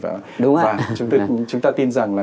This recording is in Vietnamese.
và chúng ta tin rằng là